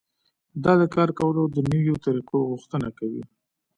دا د کار کولو د نويو طريقو غوښتنه کوي.